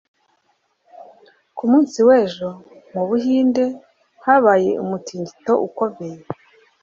ku munsi w'ejo, mu buhinde habaye umutingito ukomeye